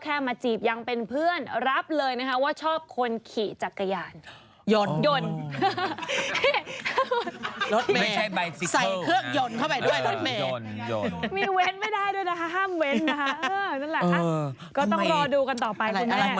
ก็ต้องรอดูกันต่อไป